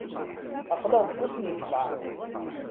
Aql-aɣ deg ass n lǧemɛa.